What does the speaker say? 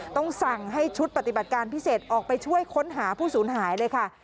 ต้องสั่งให้ชุดปฏิบัติการพิเศษออกไปช่วยค้นหาผู้สูญหายเลยค่ะ